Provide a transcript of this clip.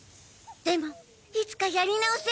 でもいつかやり直せる。